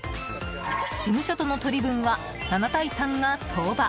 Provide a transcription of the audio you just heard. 事務所との取り分は７：３が相場。